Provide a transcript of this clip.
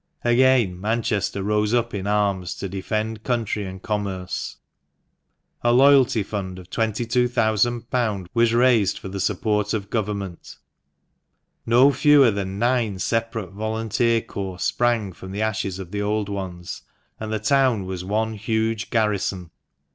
Again Manchester rose up in arms to defend country and commerce. A " Loyalty Fund " of £22,000 was raised for the support of Government. No fewer than nine separate volunteer corps sprang from the ashes of the old ones, and the town was one huge garrison.